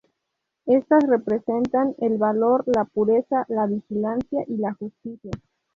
Estas representan el valor, la pureza, la vigilancia, y la justicia.